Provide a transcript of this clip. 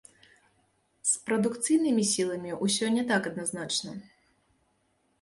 З прадукцыйнымі сіламі ўсё не так адназначна.